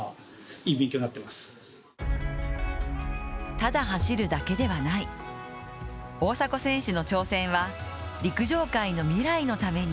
ただ走るだけではない、大迫選手の挑戦は陸上界の未来のために。